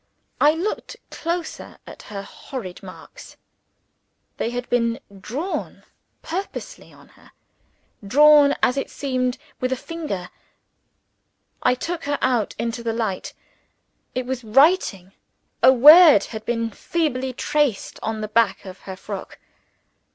I looked closer at the horrid marks. They had been drawn purposely on her drawn, as it seemed, with a finger. I took her out into the light. It was writing! A word had been feebly traced on the back of her frock.